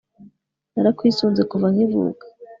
narakwisunze kuva nkivuka